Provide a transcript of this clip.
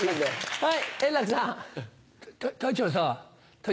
はい。